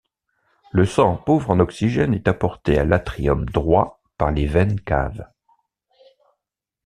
Le sang pauvre en oxygène est apporté à l'atrium droit par les veines caves.